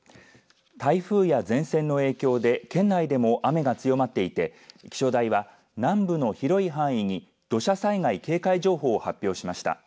台風や前線の影響で県内でも雨が強まっていて気象台は南部の広い範囲に土砂災害警戒情報を発表しました。